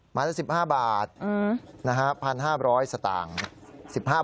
หมายถึง๑๕บาทนะครับ๑๕๐๐สตางค์๑๕บาท